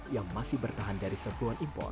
yang masih bertahan dari serbuan impor